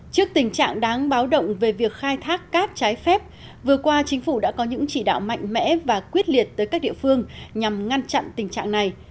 trước tình trạng đáng báo động về việc khai thác cát trái phép vừa qua chính phủ đã có những chỉ đạo mạnh mẽ và quyết liệt tới các địa phương nhằm ngăn chặn tình trạng này